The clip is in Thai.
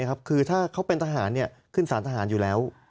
คือถ้าเขาเป็นทหารขึ้นสารทหารอยู่แล้ว